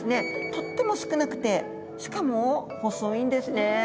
とっても少なくてしかも細いんですね。